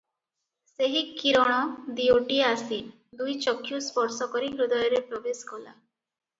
ସେହି କିରଣ ଦିଓଟି ଆସି ଦୁଇ ଚକ୍ଷୁ ସ୍ପର୍ଶ କରି ହୃଦୟରେ ପ୍ରବେଶ କଲା ।